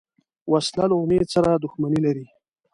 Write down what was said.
وسله له امید سره دښمني لري